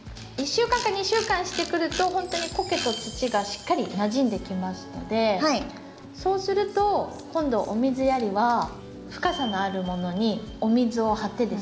１週間か２週間してくるとほんとにコケと土がしっかりなじんできますのでそうすると今度お水やりは深さのあるものにお水を張ってですね